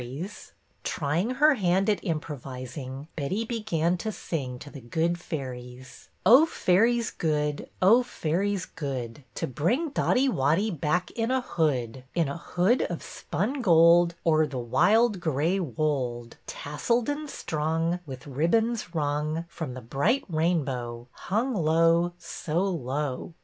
s 66 BETTY BAIRD'S VENTURES Trying her hand at improvising, Betty began to sing to the good fairies, — Oh, fairies good, Oh, fairies good, To bring Dotty Wotty Back in a hood ; In a hood of spun gold, O'er the wild gray wold, Tasselled and strung With ribbons wrung From the bright rainbow Hung low, so low."